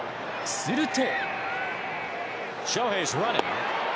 すると。